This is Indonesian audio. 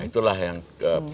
itulah yang ketika